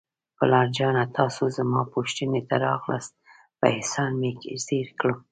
پلار جانه، تاسو زما پوښتنې ته راغلاست، په احسان مې زیر کړم.